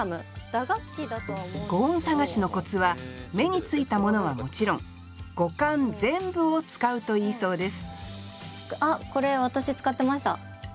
「五音探し」のコツは目についたものはもちろん五感全部を使うといいそうです